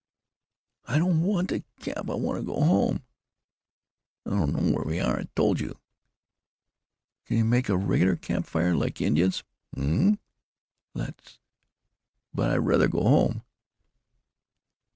"I don't want to camp. I want to go home." "I don't know where we are, I told you." "Can you make a regular camp fire? Like Indians?" "Um huh." "Let's.... But I rather go home."